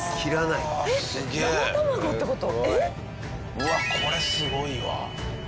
うわっこれすごいわ。